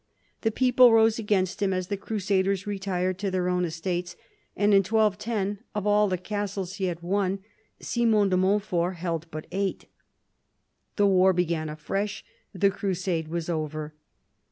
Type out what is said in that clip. The people rose against him as the crusaders retired to their own estates, and, in 1210, of all the castles he had won Simon de Montfort held but eight. The w r ar began afresh : the crusade was over.